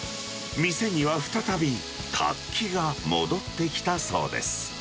店には再び活気が戻ってきたそうです。